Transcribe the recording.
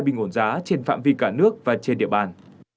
bình ổn giá trên phạm vi cả nước và trên địa bàn